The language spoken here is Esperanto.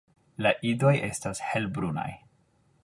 La idoj estas helbrunaj.